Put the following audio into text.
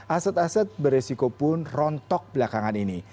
aset aset beresiko pun rontok belakangan ini